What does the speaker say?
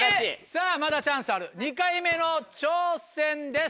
さぁまだチャンスある２回目の挑戦です。